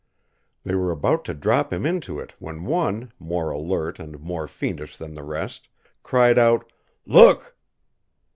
They were about to drop him into it when one, more alert and more fiendish than the rest, cried out, "Look!"